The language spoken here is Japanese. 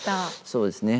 そうですね。